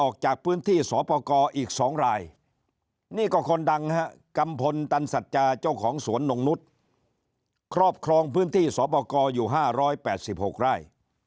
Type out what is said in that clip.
คลอบครองพื้นที่สวพกอยู่๔๘๖ไร่